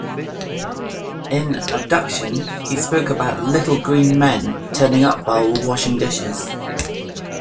In "Abduction" he spoke about little green men turning up while washing dishes.